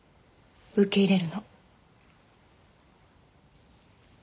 受け入れるの。